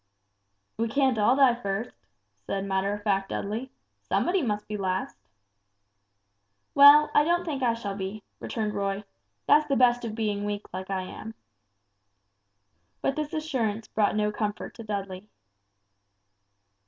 "We can't all die first," said matter of fact Dudley; "somebody must be last." "Well, I don't think I shall be," returned Roy, "that's the best of being weak like I am." But this assurance brought no comfort to Dudley.